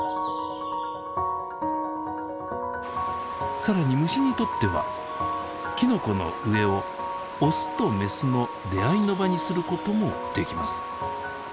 さらに虫にとってはきのこの上をオスとメスの出会いの場にすることもできます。